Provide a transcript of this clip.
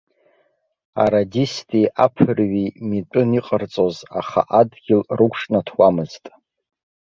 Арадисти аԥырҩи митәын иҟарҵоз, аха адгьыл рықәҿнаҭуамызт.